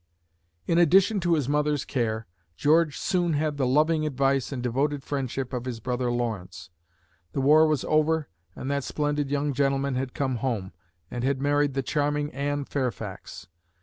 In addition to his mother's care, George soon had the loving advice and devoted friendship of his brother Lawrence. The war was over and that splendid young gentleman had come home, and had married the charming Anne Fairfax.